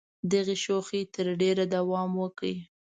دغې شوخۍ تر ډېره دوام وکړ.